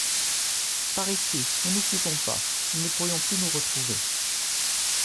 Par ici !… ne nous quittons pas ! nous ne pourrions plus nous retrouver…